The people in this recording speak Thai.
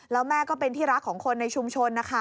แล้วแม่ก็เป็นที่รักของคนในชุมชนนะคะ